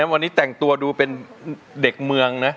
วันนี้แต่งตัวดูเป็นเด็กเมืองนะ